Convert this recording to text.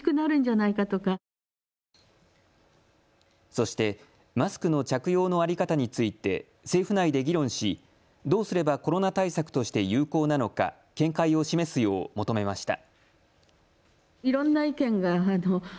そしてマスクの着用の在り方について政府内で議論しどうすればコロナ対策として有効なのか見解を示すよう求めました。